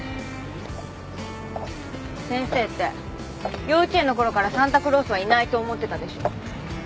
先生って幼稚園のころからサンタクロースはいないと思ってたでしょ？